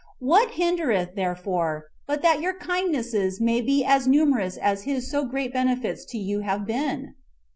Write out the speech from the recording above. What hindereth; therefore, but that your kindnesses may be as numerous as his so great benefits to you have been?